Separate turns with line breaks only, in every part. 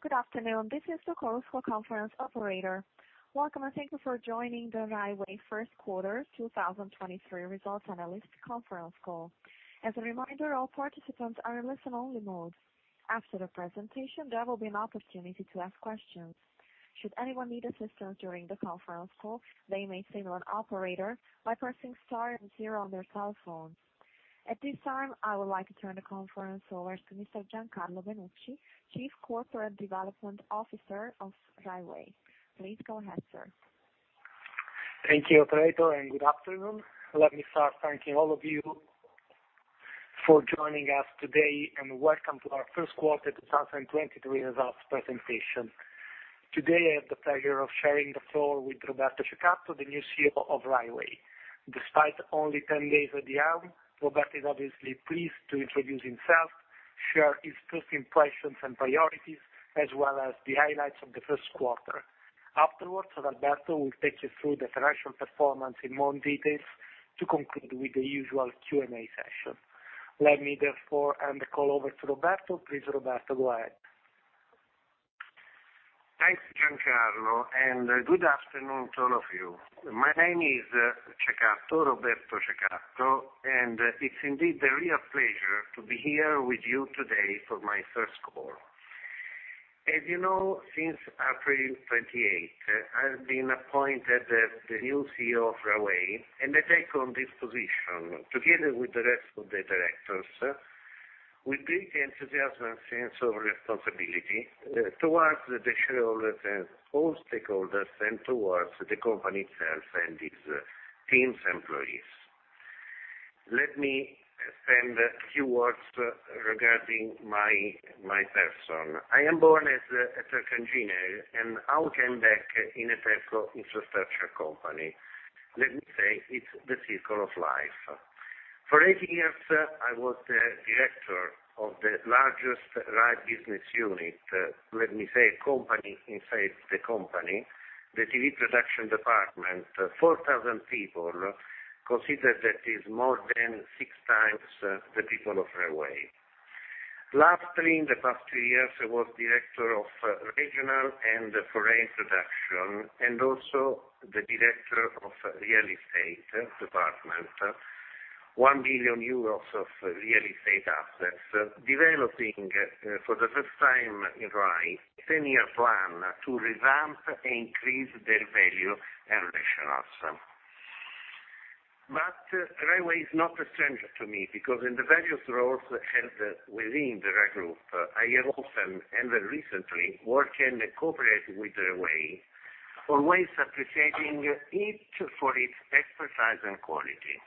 Good afternoon. This is the Chorus Call conference operator. Welcome, thank you for joining the Rai Way First Quarter 2023 Results Analyst Conference Call. As a reminder, all participants are in listen only mode. After the presentation, there will be an opportunity to ask questions. Should anyone need assistance during the conference call, they may signal an operator by pressing star and zero on their cell phone. At this time, I would like to turn the conference over to Mr. Giancarlo Benucci, Chief Corporate Development Officer of Rai Way. Please go ahead, sir.
Thank you, operator, and good afternoon. Let me start thanking all of you for joining us today, and welcome to our First Quarter 2023 Results Presentation. Today, I have the pleasure of sharing the floor with Roberto Cecatto, the new CEO of Rai Way. Despite only 10 days at the helm, Roberto is obviously pleased to introduce himself, share his first impressions and priorities, as well as the highlights of the first quarter. Afterwards, Roberto will take you through the financial performance in more details to conclude with the usual Q&A session. Let me therefore hand the call over to Roberto. Please, Roberto, go ahead.
Thanks, Giancarlo, good afternoon to all of you. My name is Cecatto, Roberto Cecatto, and it's indeed a real pleasure to be here with you today for my first call. As you know, since April 28, I've been appointed as the new CEO of Rai Way, and I take on this position together with the rest of the directors with great enthusiasm and sense of responsibility towards the shareholders and all stakeholders and towards the company itself and its teams, employees. Let me spend a few words regarding my person. I am born as a tech engineer, and now came back in a telco infrastructure company. Let me say it's the circle of life. For eight years, I was the director of the largest Rai business unit, let me say company inside the company, the TV production department, 4,000 people. Consider that is more than six times the people of Rai Way. Lastly, in the past two years, I was director of regional and foreign production and also the director of real estate department, 1 billion euros of real estate assets, developing for the first time in Rai, a 10-year plan to revamp and increase their value and rationales. Rai Way is not a stranger to me because in the various roles held within the Rai Group. I have often and recently worked and cooperated with Rai Way, always appreciating it for its expertise and quality.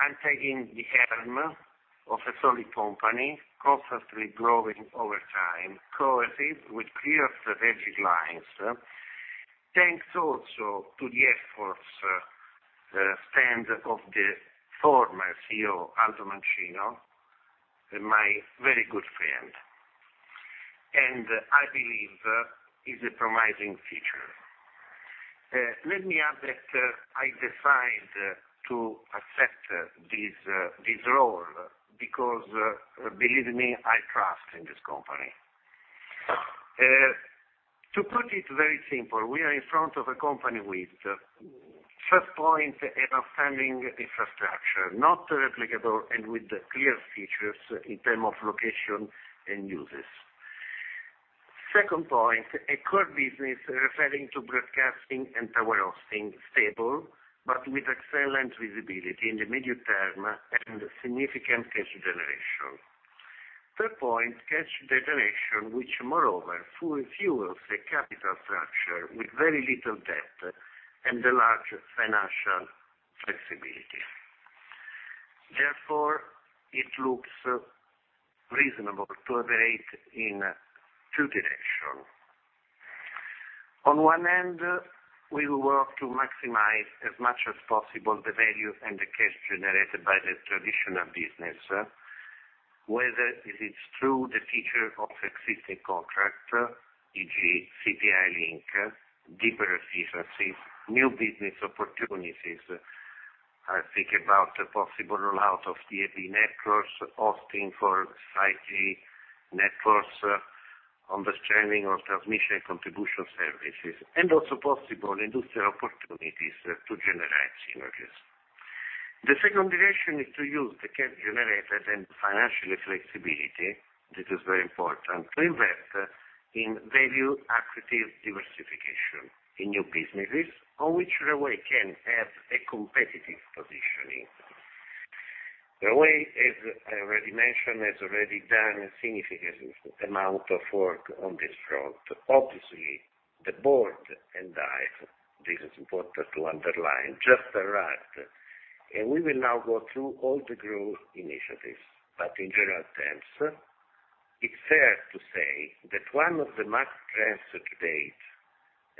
I'm taking the helm of a solid company, constantly growing over time, cohesive with clear strategic lines. Thanks also to the stand of the former CEO, Aldo Mancino, my very good friend. I believe it's a promising future. Let me add that I decide to accept this role because, believe me, I trust in this company. To put it very simple, we are in front of a company with, first point, an outstanding infrastructure, not replicable and with clear features in term of location and uses. Second point, a core business referring to broadcasting and tower hosting, stable but with excellent visibility in the medium term and significant cash generation. Third point, cash generation, which moreover fuels a capital structure with very little debt and a large financial flexibility. Therefore, it looks reasonable to operate in two direction. On one end, we will work to maximize as much as possible the value and the cash generated by the traditional business, whether it is through the feature of existing contract, e.g., CPI link, deeper efficiencies, new business opportunities. I think about the possible rollout of DAB networks, hosting for 5G networks, on the streaming or transmission contribution services, also possible industrial opportunities to generate synergies. The second direction is to use the cash generated and financial flexibility, this is very important, to invest in value accretive diversification in new businesses on which Rai Way can have a competitive positioning. Rai Way, as I already mentioned, has already done a significant amount of work on this front. Obviously, the board and I, this is important to underline, just arrived, we will now go through all the growth initiatives. In general terms, it's fair to say one of the max trends to date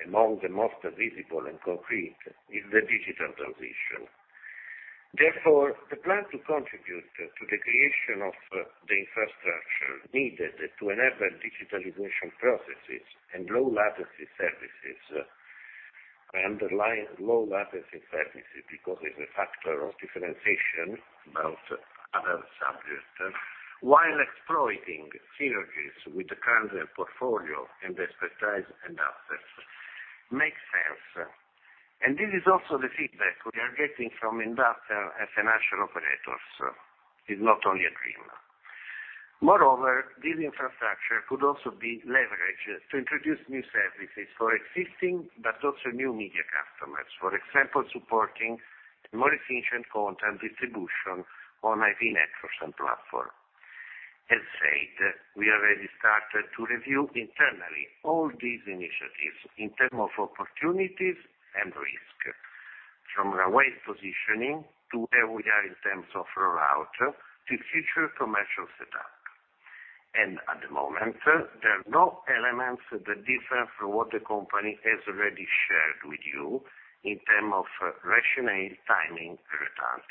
among the most visible and concrete is the digital transition. Therefore, the plan to contribute to the creation of the infrastructure needed to enable digitalization processes and low latency services. Underlying low latency services because it's a factor of differentiation about other subjects, while exploiting synergies with the current portfolio and expertise and assets makes sense. This is also the feedback we are getting from investor and financial operators. It's not only a dream. Moreover, this infrastructure could also be leveraged to introduce new services for existing but also new media customers, for example, supporting more efficient content distribution on IP networks and platform. As said, we already started to review internally all these initiatives in term of opportunities and risk, from the way positioning to where we are in terms of rollout to future commercial setup. At the moment, there are no elements that differ from what the company has already shared with you in terms of rationale, timing, returns.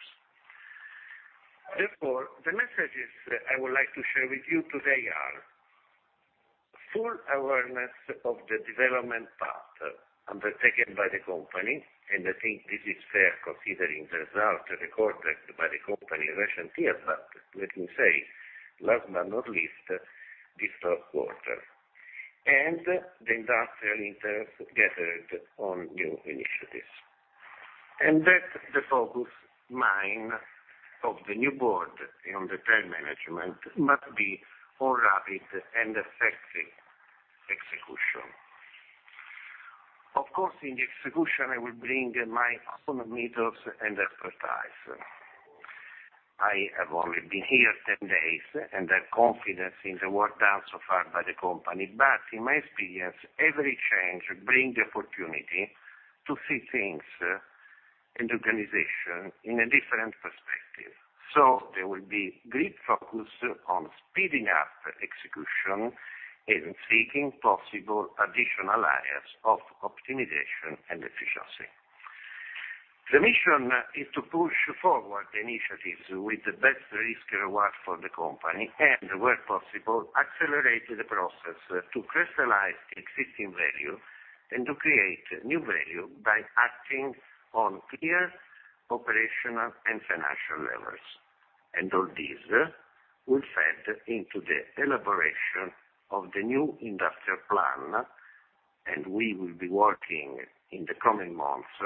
The messages I would like to share with you today are full awareness of the development path undertaken by the company, and I think this is fair considering the result recorded by the company in recent years. Let me say, last but not least, this first quarter. The industrial interest gathered on new initiatives. That the focus mind of the new board on the time management must be more rapid and effective execution. In the execution, I will bring my own methods and expertise. I have only been here 10 days, and I have confidence in the work done so far by the company. In my experience, every change bring the opportunity to see things and organization in a different perspective. There will be great focus on speeding up execution and seeking possible additional areas of optimization and efficiency. The mission is to push forward initiatives with the best risk reward for the company and, where possible, accelerate the process to crystallize existing value and to create new value by acting on clear operational and financial levers. All this will fed into the elaboration of the new industrial plan, and we will be working in the coming months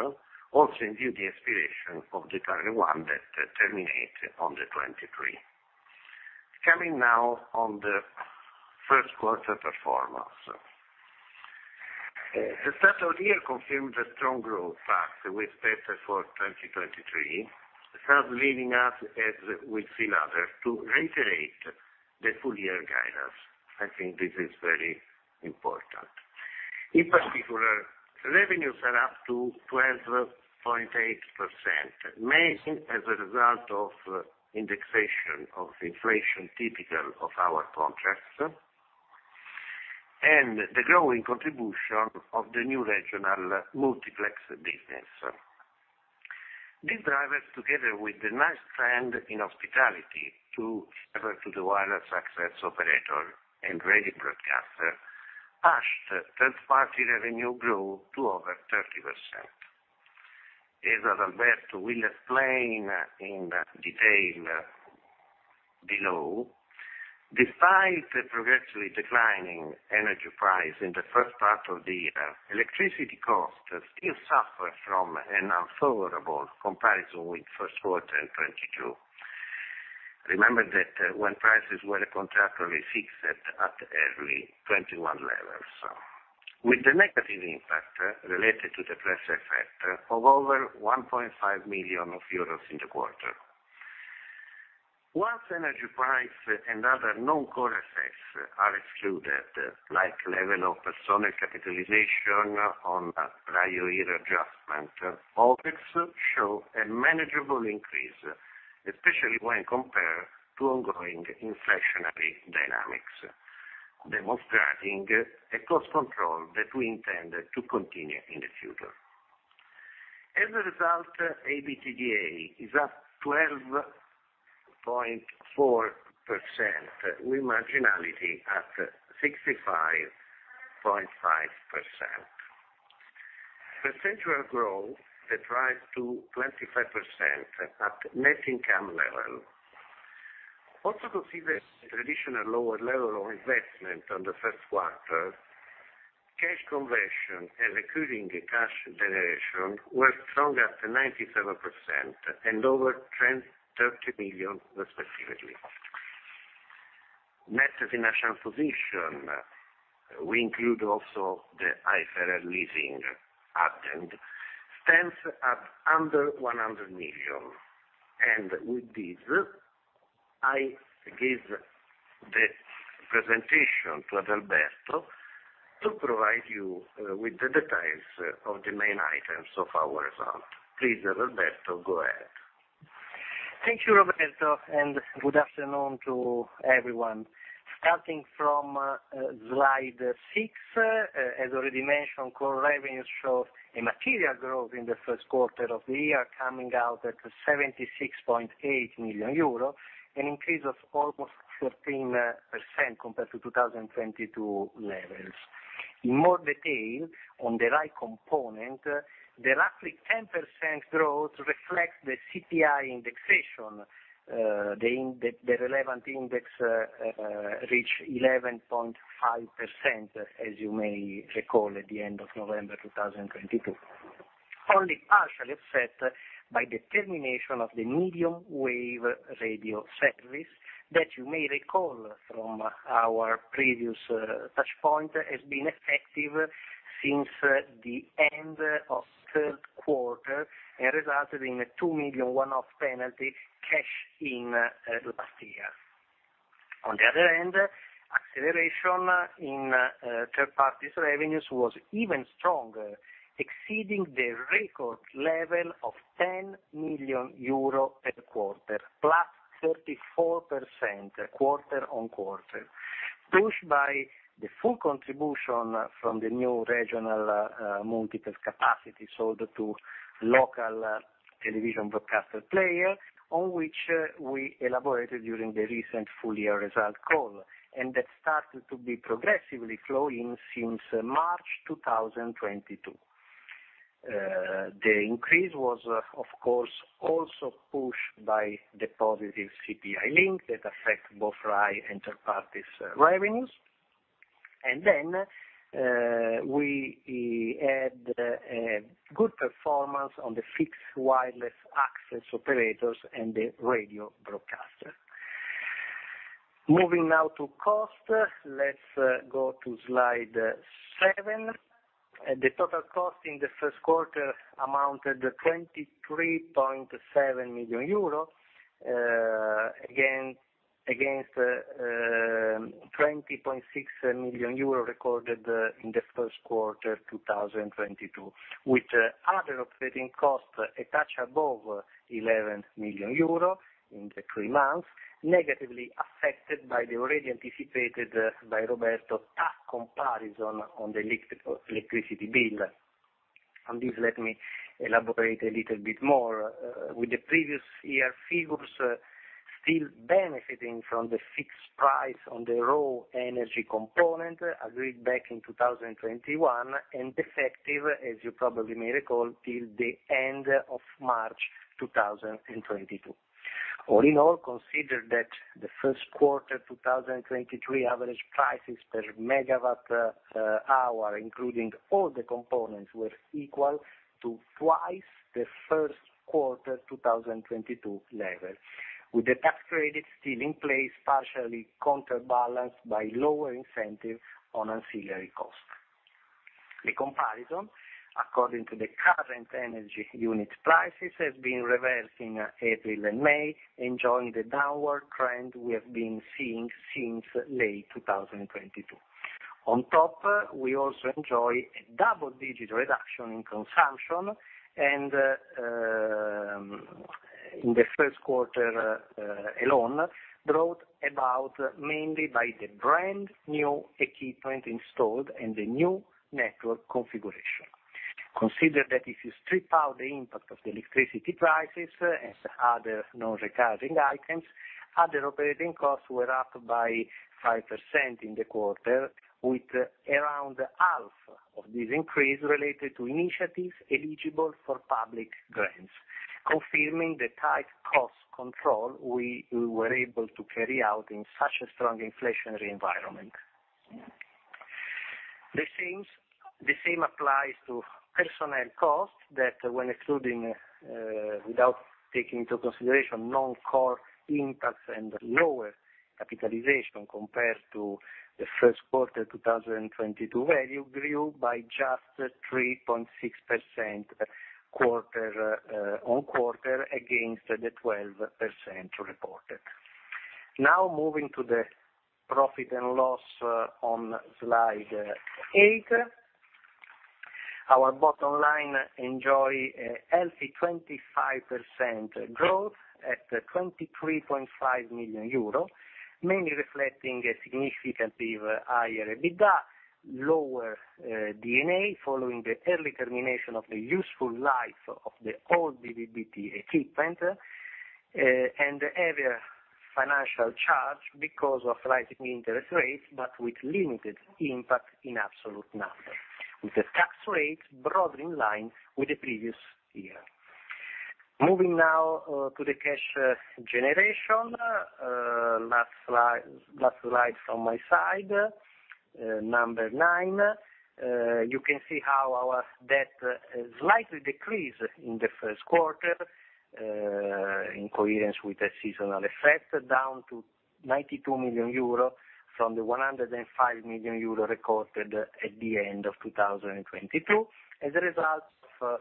also in view the expiration of the current one that terminate on the 2023. Coming now on the first quarter performance. The start of the year confirmed the strong growth path we set for 2023, thus leading us, as we've seen others, to reiterate the full year guidance. I think this is very important. In particular, revenues are up to 12.8%, mainly as a result of indexation of inflation typical of our contracts, and the growing contribution of the new regional multiplex business. These drivers, together with the nice trend in hospitality to lever to the wireless access operator and radio broadcaster, pushed third party revenue growth to over 30%. As Adalberto will explain in detail below, despite the progressively declining energy price in the first part of the year, electricity costs still suffer from an unfavorable comparison with first quarter in 2022. Remember that when prices were contractually fixed at early 2021 levels, with the negative impact related to the price effect of over 1.5 million euros in the quarter. Once energy price and other non-core effects are excluded, like level of personal capitalization on a prior year adjustment, OpEx show a manageable increase, especially when compared to ongoing inflationary dynamics, demonstrating a cost control that we intend to continue in the future. As a result, EBITDA is up 12.4%, with marginality at 65.5%. Percentual growth drives to 25% at net income level. Also consider the traditional lower level of investment on the first quarter, cash conversion and recurring cash generation were stronger at 97% and over 10.30 million respectively. Net financial position, we include also the IFRS leasing addend, stands at under 100 million. With this, I give the presentation to Adalberto to provide you with the details of the main items of our result. Please, Adalberto, go ahead.
Thank you, Roberto, and good afternoon to everyone. Starting from slide six, as already mentioned, core revenues show a material growth in the first quarter of the year, coming out at 76.8 million euros, an increase of almost 13% compared to 2022 levels. In more detail on the right component, the roughly 10% growth reflects the CPI indexation, the relevant index reached 11.5%, as you may recall, at the end of November 2022. Only partially offset by the termination of the medium wave radio service that you may recall from our previous touchpoint has been effective since the end of third quarter and resulted in a 2 million one-off penalty cash in last year. On the other hand, acceleration in third parties revenues was even stronger, exceeding the record level of 10 million euro per quarter, plus 34% quarter-on-quarter. Pushed by the full contribution from the new regional multiplex capacity sold to local television broadcaster player, on which we elaborated during the recent full year result call, and that started to be progressively flowing since March 2022. The increase was, of course, also pushed by the positive CPI link that affect both Rai and third parties' revenues. We had a good performance on the fixed wireless access operators and the radio broadcaster. Moving now to cost. Let's go to slide seven. The total cost in the first quarter amounted to 23.7 million euro against 20.6 million euro recorded in the first quarter, 2022. With other operating costs a touch above 11 million euro in the three months, negatively affected by the already anticipated by Roberto tax comparison on the electricity bill. Let me elaborate a little bit more with the previous year figures still benefiting from the fixed price on the raw energy component agreed back in 2021, and effective, as you probably may recall, till the end of March 2022. Consider that the first quarter 2023 average prices per megawatt hour, including all the components, were equal to twice the first quarter 2022 level, with the tax credit still in place, partially counterbalanced by lower incentive on ancillary costs. The comparison according to the current energy unit prices, has been reversed in April and May, and joined the downward trend we have been seeing since late 2022. On top, we also enjoy a double-digit reduction in consumption and in the first quarter alone, brought about mainly by the brand new equipment installed and the new network configuration. Consider that if you strip out the impact of the electricity prices and other non-recurring items, other operating costs were up by 5% in the quarter, with around half of this increase related to initiatives eligible for public grants, confirming the tight cost control we were able to carry out in such a strong inflationary environment. The same applies to personnel costs that when excluding, without taking into consideration non-core impacts and lower capitalization compared to the first quarter 2022 value grew by just 3.6% quarter-on-quarter against the 12% reported. Moving to the profit and loss on slide eight. Our bottom line enjoy a healthy 25% growth at 23.5 million euro, mainly reflecting a significantly higher EBITDA, lower D&A, following the early termination of the useful life of the old BBT equipment, and heavier financial charge because of rising interest rates, but with limited impact in absolute numbers, with the tax rate broadly in line with the previous year. Moving now to the cash generation. Last slide from my side, number nine. You can see how our debt slightly decreased in the first quarter, in coherence with the seasonal effect, down to 92 million euro from the 105 million euro recorded at the end of 2022. As a result of,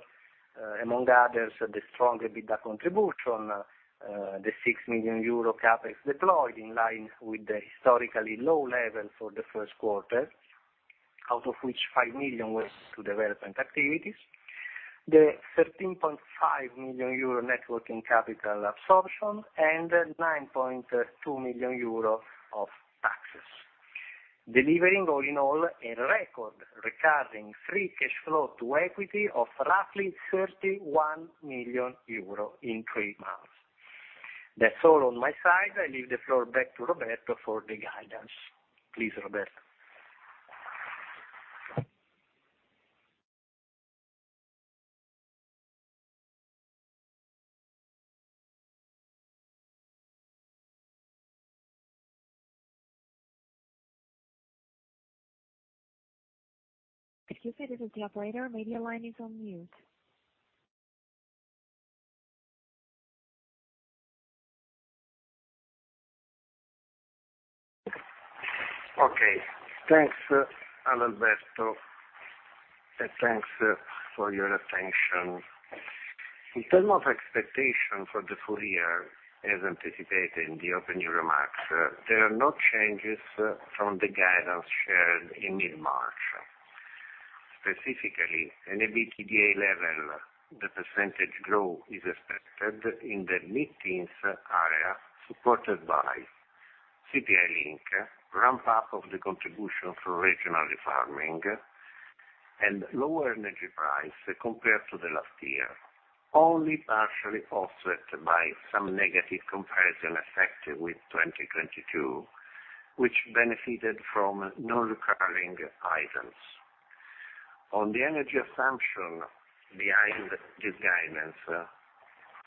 among others, the strong EBITDA contribution, the 6 million euro CapEx deployed in line with the historically low level for the first quarter, out of which 5 million was to development activities, the 13.5 million euro net working capital absorption, and 9.2 million euro of taxes. Delivering all in all a record recurring free cash flow to equity of roughly 31 million euro in three months. That's all on my side. I leave the floor back to Roberto for the guidance. Please, Roberto.
Excuse me. This is the operator. Media line is on mute.
Okay. Thanks, Alberto. Thanks for your attention. In terms of expectation for the full year, as anticipated in the opening remarks, there are no changes from the guidance shared in mid-March. Specifically, in EBITDA level, the percentage growth is expected in the mid-teens area, supported by CPI link, ramp up of the contribution for regional refarming, and lower energy price compared to the last year, only partially offset by some negative comparison effect with 2022, which benefited from non-recurring items. On the energy assumption behind this guidance,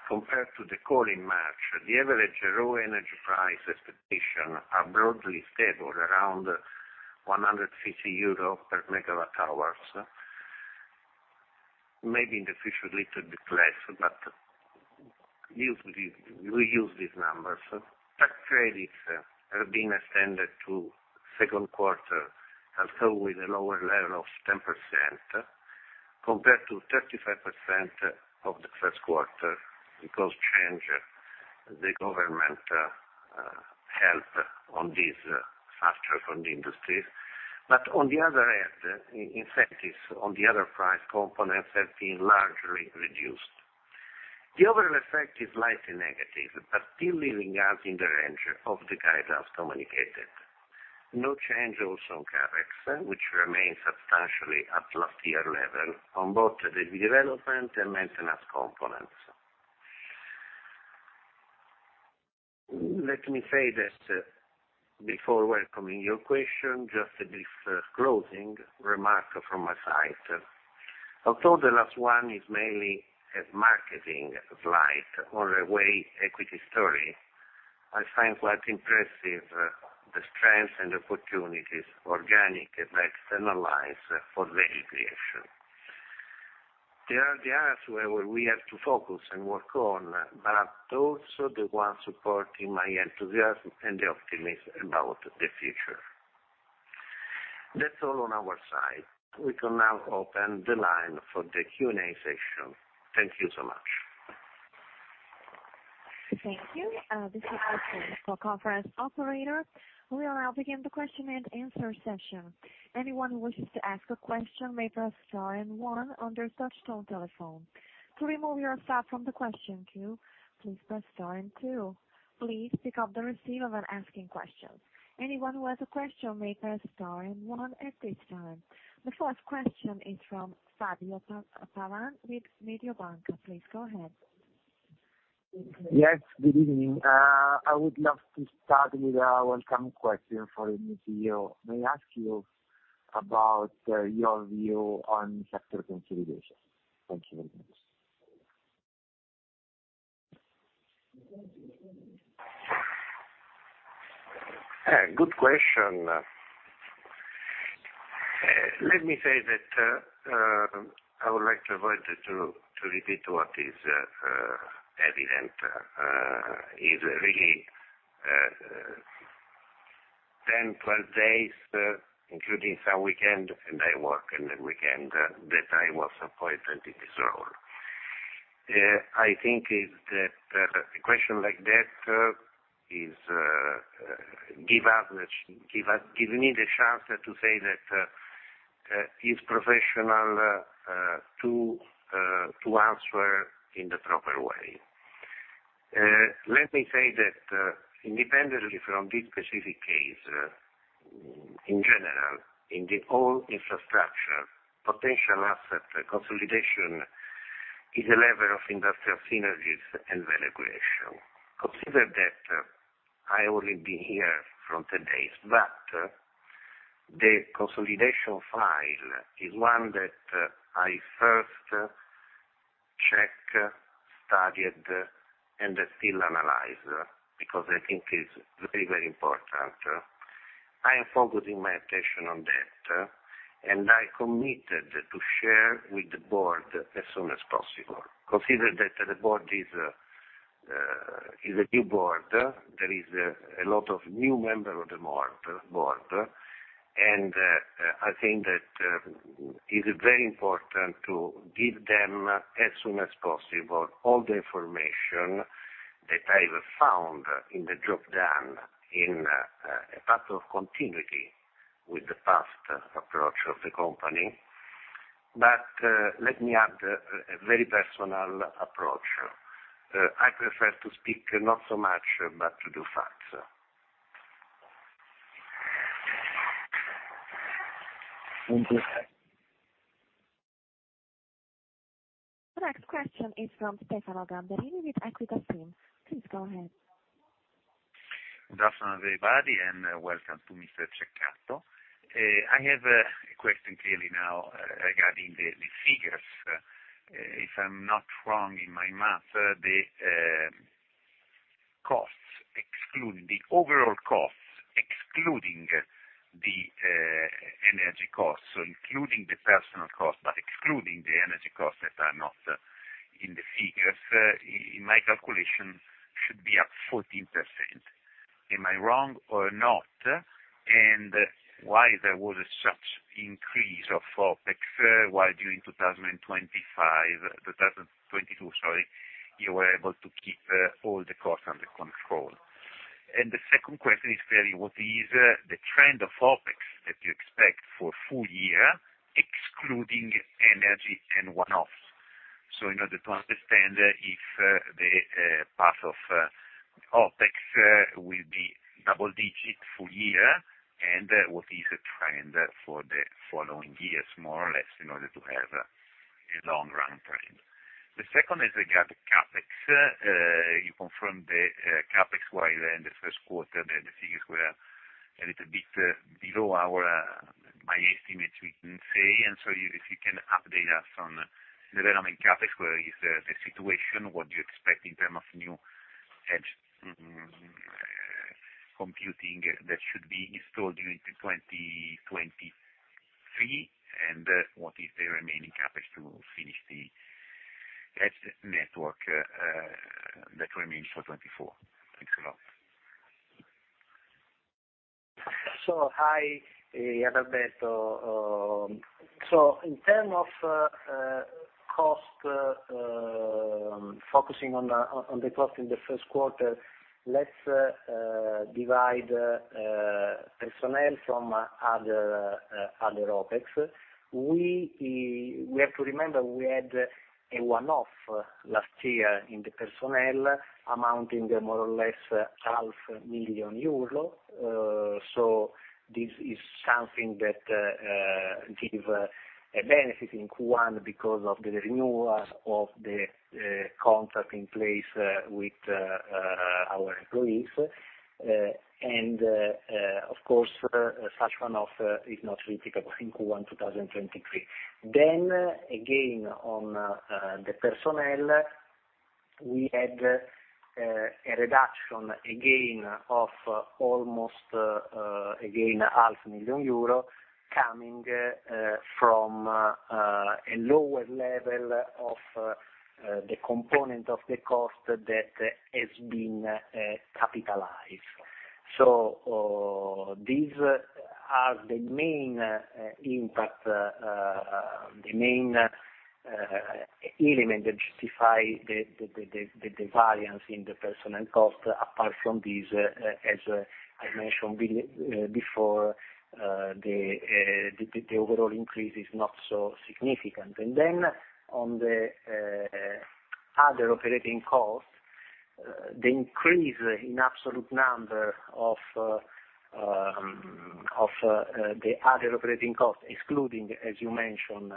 compared to the call in March, the average raw energy price expectation are broadly stable around 150 euro per MWh. Maybe in the future, little bit less, but usually we use these numbers. Tax credits have been extended to second quarter, although with a lower level of 10% compared to 35% of the first quarter because change the government help on this factor on the industry. On the other hand, incentives on the other price components have been largely reduced. The overall effect is slightly negative, but still leaving us in the range of the guidance communicated. No change also on CapEx, which remains substantially at last year level on both the development and maintenance components. Let me say that, before welcoming your question, just a brief closing remark from my side. Although the last one is mainly a marketing slide on the Rai Way equity story, I find quite impressive the strengths and opportunities, organic and externalized for value creation. There are the areas where we have to focus and work on, but also the ones supporting my enthusiasm and the optimism about the future. That's all on our side. We can now open the line for the Q&A session. Thank you so much.
Thank you. This is Ashley, your conference operator. We will now begin the question-and-answer session. Anyone who wishes to ask a question may press star and one on their touch-tone telephone. To remove yourself from the question queue, please press star and two. Please pick up the receiver when asking questions. Anyone who has a question may press star and one at this time. The first question is from Fabio Pavan with Mediobanca. Please go ahead.
Yes, good evening. I would love to start with a welcome question for the CEO. May I ask you about your view on sector consolidation? Thank you very much.
Good question. Let me say that I would like to avoid to repeat what is evident. Is really 10, 12 days, including some weekend, and I work in the weekend, that I was appointed in this role. I think is that a question like that is give me the chance to say that is professional to answer in the proper way. Let me say that independently from this specific case, in general, in the all infrastructure, potential asset consolidation is a level of industrial synergies and value creation. Consider that I only been here from 10 days, but the consolidation file is one that I first check, studied, and still analyze, because I think it's very, very important. I am focusing my attention on that, and I committed to share with the board as soon as possible. Consider that the board is a new board. There is a lot of new member of the board, and I think that it is very important to give them as soon as possible all the information that I found in the job done in a path of continuity with the past approach of the company. Let me add a very personal approach. I prefer to speak not so much, but to do facts.
The next question is from Stefano Gambini with Equita SIM. Please go ahead.
Good afternoon, everybody, welcome to Mr. Cecatto. I have a question clearly now regarding the figures. If I'm not wrong in my math, the overall costs, excluding the energy costs, so including the personnel costs, but excluding the energy costs that are not in the figures, in my calculation should be up 14%. Am I wrong or not? Why there was such increase of OpEx, while during 2022, sorry, you were able to keep all the costs under control. The second question is clearly what is the trend of OpEx that you expect for full year, excluding energy and one-offs. In order to understand if the path of OpEx will be double-digit full-year, and what is a trend for the following years, more or less in order to have a long-run trend. The second is regarding the CapEx. You confirm the CapEx while in the first quarter the figures were a little bit below our my estimate we can say. If you can update us on the remaining CapEx, where is the situation, what do you expect in terms of new edge computing that should be installed during 2023, and what is the remaining CapEx to finish the edge network that remains for 2024. Thanks a lot.
Hi, Roberto. In term of cost, focusing on the cost in the first quarter, let's divide personnel from other OpEx. We have to remember we had a one-off last year in the personnel amounting to more or less 500,000 euro. This is something that give a benefit in Q1 because of the renewal of the contract in place with our employees. Of course, such one-off is not replicable in Q1 2023. Again, on the personnel, we had a reduction again of almost again EUR 500,000 coming from a lower level of the component of the cost that has been capitalized. These are the main impact, the main element that justify the variance in the personnel cost. Apart from this, as I mentioned before, the overall increase is not so significant. On the other operating costs, the increase in absolute number of the other operating costs, excluding, as you mentioned,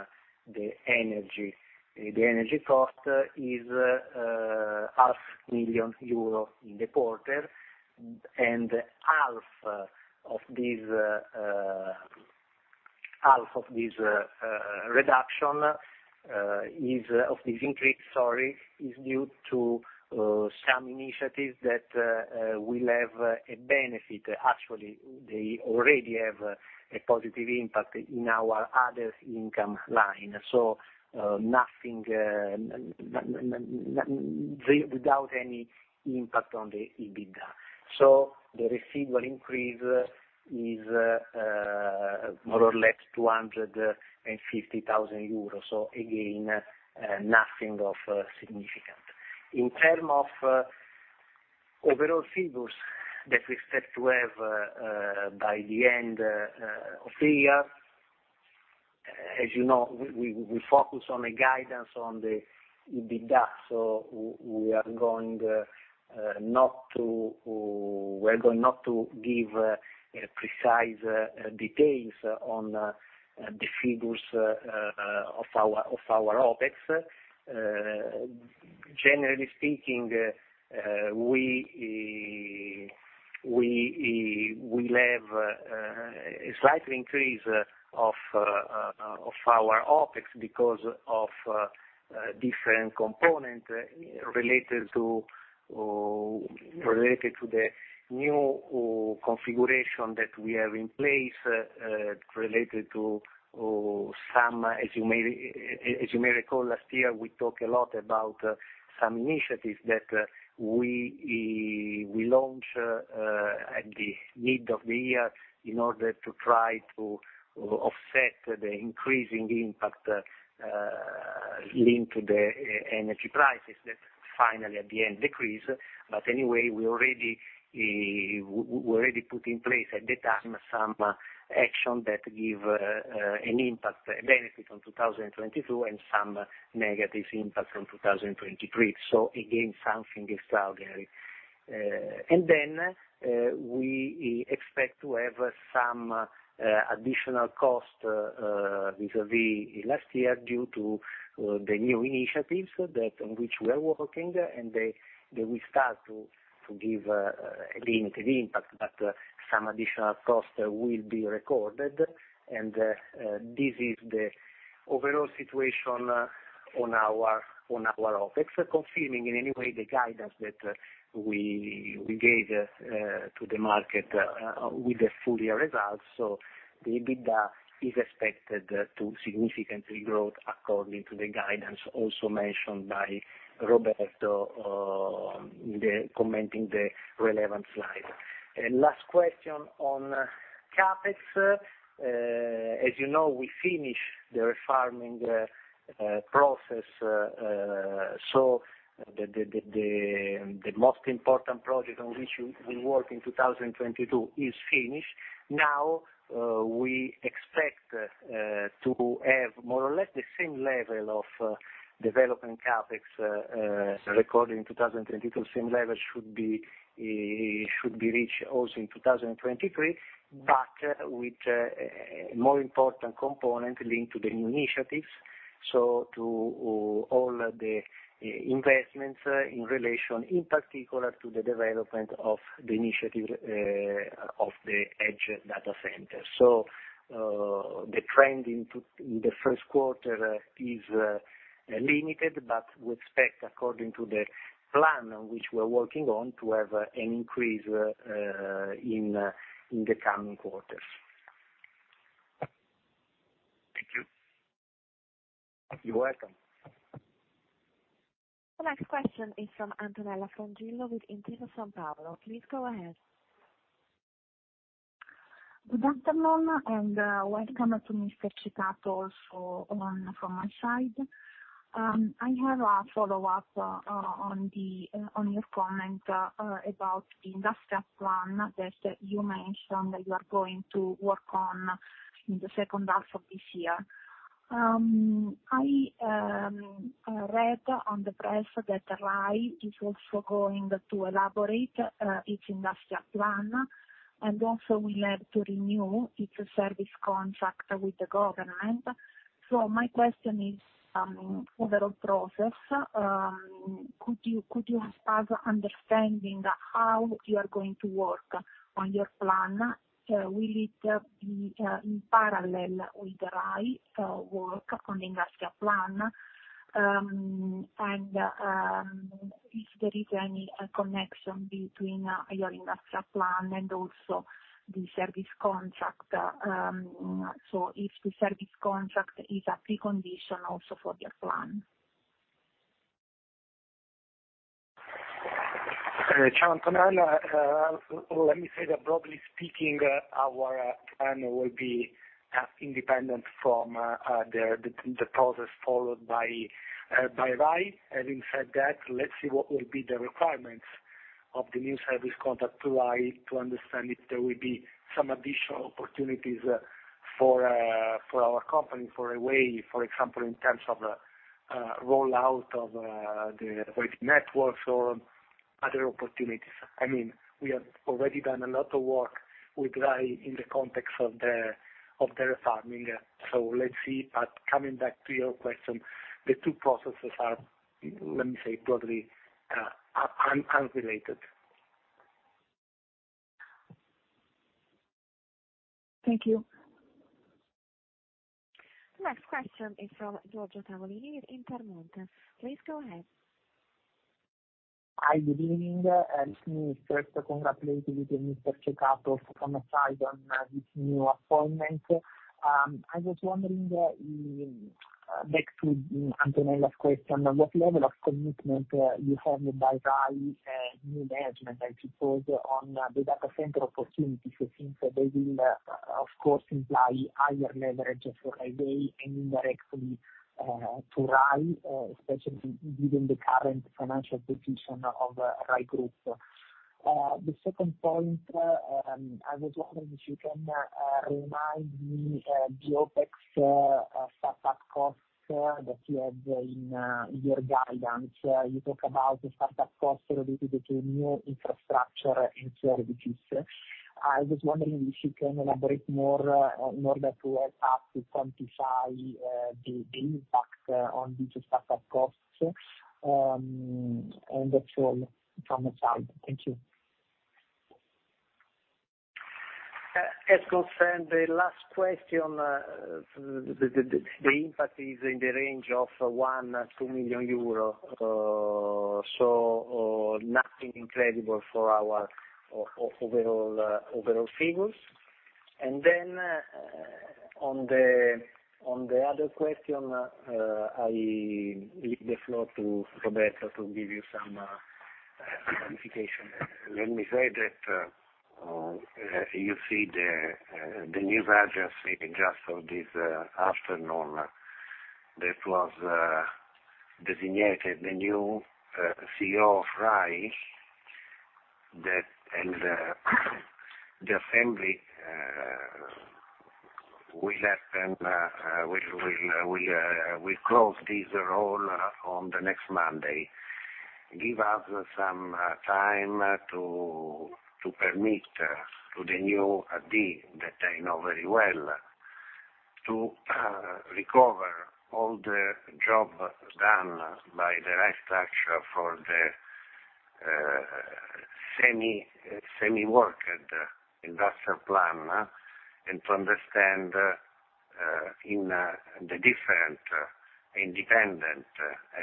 the energy, the energy cost is EUR 500,000 in the quarter. Half of this half of this increase, sorry, is due to some initiatives that will have a benefit. Actually, they already have a positive impact in our other income line, so nothing without any impact on the EBITDA. The receivable increase is more or less 250,000 euros. Again, nothing of significant. In terms of overall figures that we expect to have by the end of the year, as you know, we focus on a guidance on the EBITDA, we're going not to give precise details on the figures of our OpEx. Generally speaking, we will have a slight increase of our OpEx because of different component related to the new configuration that we have in place, related to some as you may recall, last year we talked a lot about some initiatives that we launch at the need of the year in order to try to offset the increasing impact linked to the energy prices that finally at the end decrease. Anyway, we already put in place at the time some action that give an impact benefit on 2022 and some negative impact on 2023. Again, something extraordinary. Then, we expect to have some additional costs vis-a-vis last year due to the new initiatives that—on which we are working, and they will start to give a limited impact, but some additional costs will be recorded. This is the overall situation on our OpEx. Confirming in any way the guidance that we gave to the market with the full year results. The EBITDA is expected to significantly grow according to the guidance also mentioned by Roberto, commenting the relevant slide. Last question on CapEx. As you know, we finished the refarming process, so the most important project on which you will work in 2022 is finished. Now, we expect to have more or less the same level of development CapEx recorded in 2022. Same level should be reached also in 2023, but with a more important component linked to the new initiatives. To all the investments in relation, in particular, to the development of the initiative of the edge data center. The trend in the first quarter is limited, but we expect according to the plan which we're working on to have an increase in the coming quarters.
Thank you.
You're welcome.
The next question is from Antonella Frongillo with Intesa Sanpaolo. Please go ahead.
Good afternoon, and welcome to Mr. Cecatto also on from my side. I have a follow-up on the on your comment about the industrial plan that you mentioned that you are going to work on in the second half of this year. I read on the press that Rai is also going to elaborate its industrial plan, and also will have to renew its service contract with the government. My question is, overall process, could you have us understanding how you are going to work on your plan? Will it be in parallel with Rai’s work on the industrial plan? If there is any connection between your industrial plan and also the service contract, if the service contract is a precondition also for your plan?
Hi, Antonella. let me say that broadly speaking, our plan will be independent from the process followed by Rai. Having said that, let's see what will be the requirements of the new service contract to Rai to understand if there will be some additional opportunities for our company, for Rai Way, for example, in terms of rollout of Rai Way networks or other opportunities. I mean, we have already done a lot of work with Rai in the context of their refarming. Let's see. Coming back to your question, the two processes are, let me say broadly, unrelated.
Thank you.
Next question is from Giorgio Tavolini with Intermonte. Please go ahead.
Hi, good evening. Let me first congratulate you to Mr. Cecatto from my side on his new appointment. I was wondering, back to Antonella's question, what level of commitment you have by Rai new management. I suppose, on the data center opportunities since they will, of course, imply higher leverage for Rai Way and indirectly to Rai, especially given the current financial position of Rai Group. The second point, I was wondering if you can remind me the OpEx startup costs that you have in your guidance. You talk about the startup costs related to new infrastructure and services. I was wondering if you can elaborate more in order to help us to quantify the impact on these startup costs. That's all from my side. Thank you.
As concerned the last question, the impact is in the range of 1 million-2 million euros, so, nothing incredible for our overall figures. Then, on the other question, I leave the floor to Roberto to give you some clarification.
Let me say that, you see the news agency just of this afternoon that was designated the new CEO of RAI, that and, the assembly. We let them, we'll close this role on the next Monday. Give us some time to permit to the new AD that I know very well to recover all the job done by the right structure for the semi-worked industrial plan, and to understand in the different independent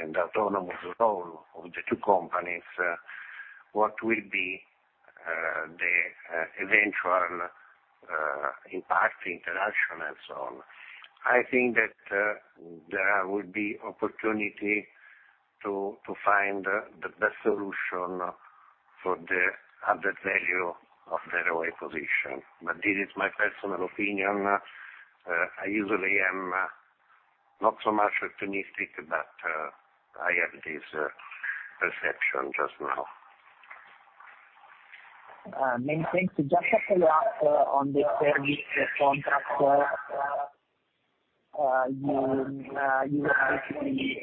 and autonomous role of the two companies, what will be the eventual impact, interaction and so on. I think that there will be opportunity to find the best solution for the added value of the ROE position. This is my personal opinion. I usually am not so much optimistic, but I have this perception just now.
Many thanks. Just a follow-up on the service contract. You were actually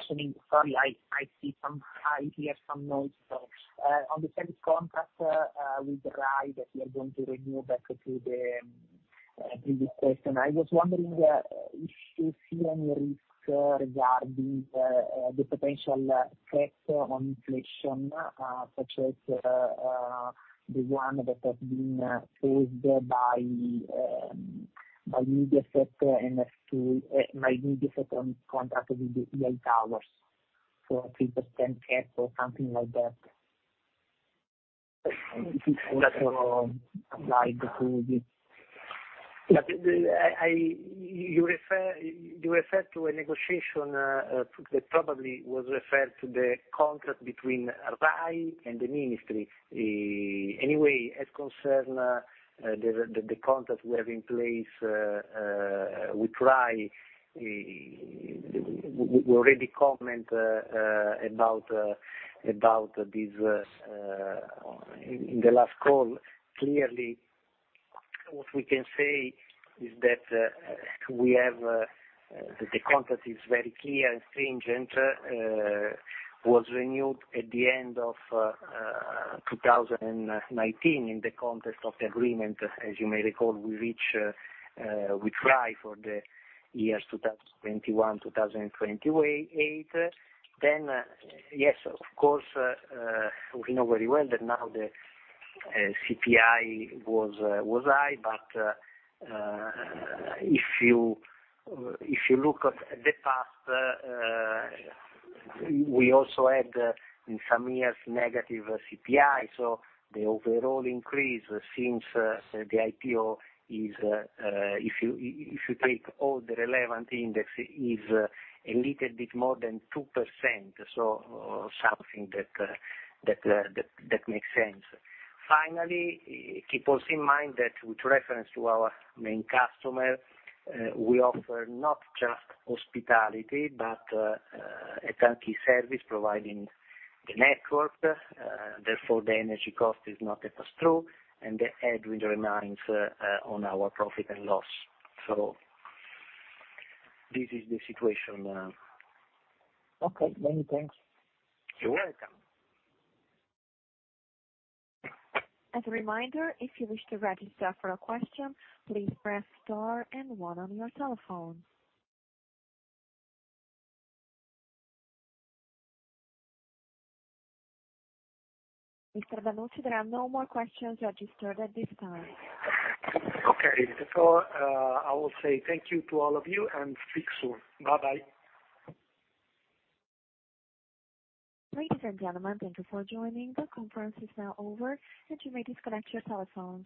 assuming. Sorry, I see some. I hear some noise. On the service contract with Rai, that you are going to renew back to the previous question. I was wondering if you see any risk regarding the potential effect on inflation, such as the one that has been caused by media sector. By media sector on its contract with the EI Towers for 3% cap or something like that. If it could also apply to the?
You refer to a negotiation that probably was referred to the contract between RAI and the ministry. Anyway, as concern the contract we have in place with RAI, we already comment about about this in the last call. Clearly, what we can say is that we have the contract is very clear and stringent. Was renewed at the end of 2019 in the context of the agreement, as you may recall, we reached with RAI for the years 2021, 2028. Yes, of course, we know very well that now the CPI was high. If you look at the past, we also had in some years, negative CPI. The overall increase since the IPO is, if you take all the relevant index, a little bit more than 2%, something that makes sense. Finally, keep also in mind that with reference to our main customer, we offer not just hospitality, but a turnkey service providing the network, therefore the energy cost is not passed through and the headwind remains on our profit and loss. This is the situation now.
Okay, many thanks.
You're welcome.
As a reminder, if you wish to register for a question, please press star and one on your telephone. Mr. Benucci, there are no more questions registered at this time.
Okay. I will say thank you to all of you, and speak soon. Bye-bye.
Ladies and gentlemen, thank you for joining. The conference is now over, and you may disconnect your telephones.